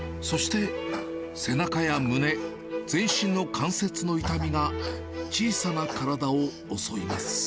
そして背中や胸、全身の関節の痛みが小さな体を襲います。